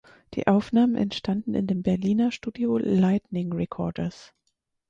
Die Aufnahmen entstanden in dem Berliner Studio Lightning Recorders.